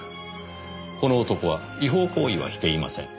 この男は違法行為はしていません。